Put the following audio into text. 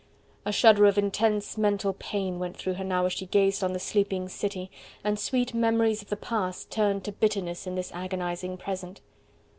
A shudder of intense mental pain went through her now as she gazed on the sleeping city, and sweet memories of the past turned to bitterness in this agonizing present.